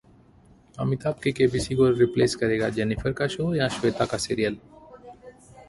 अमिताभ के केबीसी को रिप्लेस करेगा जेनिफर का शो या श्वेता का सीरियल?